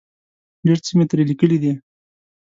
ډېر څه مې ترې لیکلي دي.